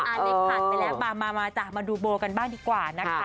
อันนี้ผ่านไปแล้วมามาจ้ะมาดูโบกันบ้างดีกว่านะคะ